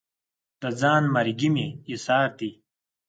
دا ځان مرګي مې ایسار دي